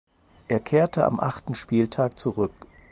Er kehrte am achten Spieltag zurück.